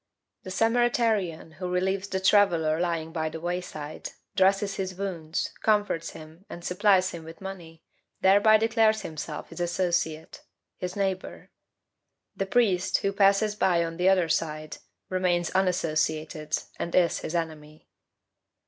The Samaritan who relieves the traveller lying by the wayside, dresses his wounds, comforts him, and supplies him with money, thereby declares himself his associate his neighbor; the priest, who passes by on the other side, remains unassociated, and is his enemy.